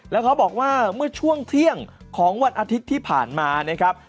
แล้วเขาบอกว่าเมื่อช่วงเที่ยงของวันอาทิตย์ที่ผ่านมานะครับ